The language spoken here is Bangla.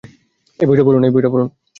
এই বইটা পড়ুন!